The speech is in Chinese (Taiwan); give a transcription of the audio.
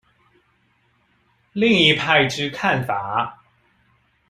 另一派之看法